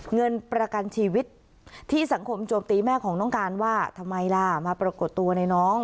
เงินประกันชีวิตที่สังคมโจมตีแม่ของน้องการว่าทำไมล่ะมาปรากฏตัวในน้อง